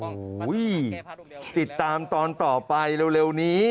โอ้โหติดตามตอนต่อไปเร็วนี้